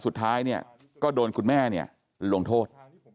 สุดท้ายเนี่ยก็โดนคุณแม่ลงโทษ